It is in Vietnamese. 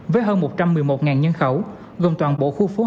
với hơn một trăm một mươi một nhân khẩu gồm toàn bộ khu phố